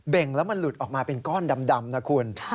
่งแล้วมันหลุดออกมาเป็นก้อนดำนะคุณ